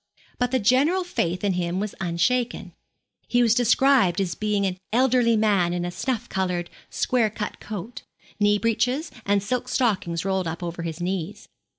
But the general faith in him was unshaken. He was described as an elderly man in a snuff coloured, square cut coat, knee breeches, and silk stockings rolled up over his knees.